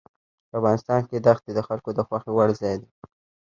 افغانستان کې دښتې د خلکو د خوښې وړ ځای دی.